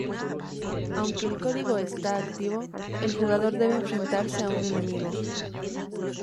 Aunque el código está activo, el jugador debe enfrentarse a un enemigo.